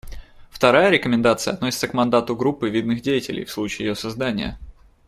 Вторая рекомендация относится к мандату группы видных деятелей в случае ее создания.